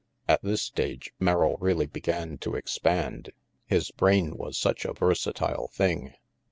At this stage, Merrill really began to expand. His brain was such a versatile thing.